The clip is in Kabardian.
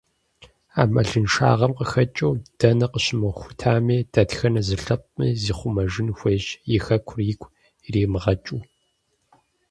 Ӏэмалыншагъэм къыхэкӏыу, дэнэ къыщымыхутами, дэтхэнэ зы лъэпкъми зихъумэжын хуейщ, и Хэкур игу иримыгъэкӏыу.